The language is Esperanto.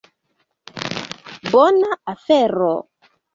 Bona afero.